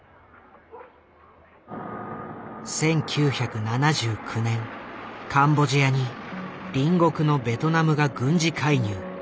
１９７９年カンボジアに隣国のベトナムが軍事介入。